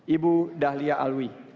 ibu dahlia alwi